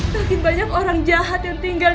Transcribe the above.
makin banyak orang jahat yang tinggal